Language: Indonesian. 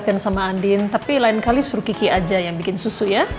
selamat pagi rena